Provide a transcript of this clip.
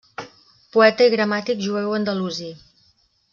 Poeta i gramàtic jueu andalusí.